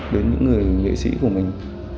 đến những người nghệ sĩ của mình